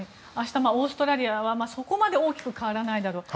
オーストラリアはそこまで大きく変わらないだろうと。